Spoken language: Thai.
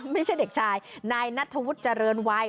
ไม่ใช่เด็กชายนายนัทธวุฒิเจริญวัย